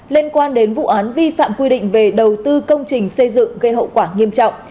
liên quan đến vụ án vi phạm quy định về đầu tư công trình xây dựng gây hậu quả nghiêm trọng